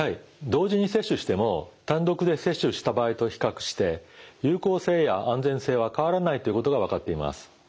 同時に接種しても単独で接種した場合と比較して有効性や安全性は変わらないということが分かっています。